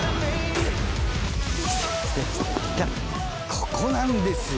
ここなんですよ！